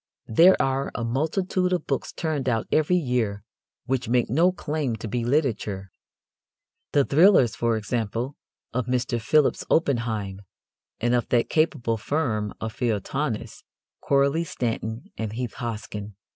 There are a multitude of books turned out every year which make no claim to be literature the "thrillers," for example, of Mr. Phillips Oppenheim and of that capable firm of feuilletonists, Coralie Stanton and Heath Hosken.